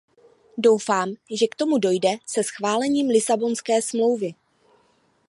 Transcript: Doufám, že k tomu doje se schválením Lisabonské smlouvy.